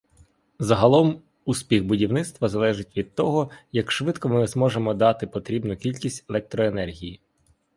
Загалом, успіх будівництва залежить від того, як швидко ми зможемо дати потрібну кількість електроенергії.